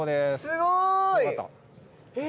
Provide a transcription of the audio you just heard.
すごい。え。